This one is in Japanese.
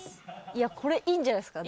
いやこれいいんじゃないですか？